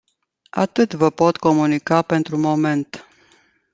Atât vă pot comunica pentru moment.